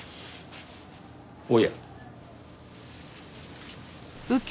おや。